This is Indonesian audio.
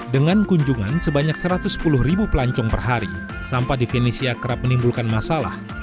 dengan kunjungan sebanyak satu ratus sepuluh ribu pelancong per hari sampah di venesia kerap menimbulkan masalah